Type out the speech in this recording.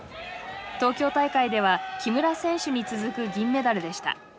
東京大会では木村選手に続く銀メダルでした。